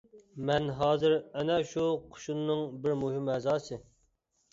مەن ھازىر ئەنە شۇ قوشۇننىڭ بىر مۇھىم ئەزاسى.